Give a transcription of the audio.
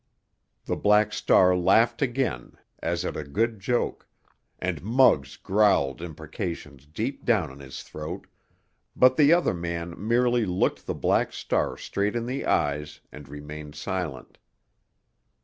The Black Star laughed again as at a good joke, and Muggs growled imprecations deep down in his throat, but the other man merely looked the Black Star straight in the eyes and remained silent.